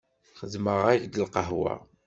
Xedmeɣ-ak-d lqahwa.